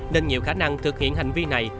nên nhiều khả năng thực hiện hành vi này